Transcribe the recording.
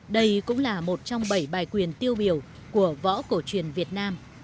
đây cũng là một trong bảy bài quyền tiêu biểu của võ cổ truyền việt nam